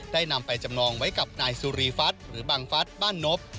นำไปจำนองไว้กับนายสุรีฟัฐหรือบังฟัสบ้านนบ